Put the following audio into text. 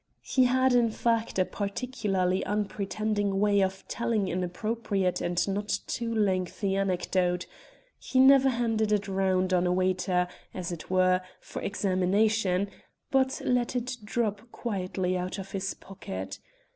He had in fact a particularly unpretending way of telling an appropriate and not too lengthy anecdote; he never handed it round on a waiter, as it were, for examination, but let it drop quietly out of his pocket.